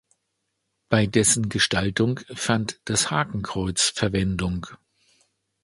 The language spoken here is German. Bei dessen Gestaltung fand das Hakenkreuz Verwendung.